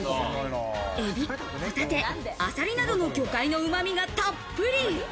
えび、ホタテ、アサリなどの魚介の旨味がたっぷり。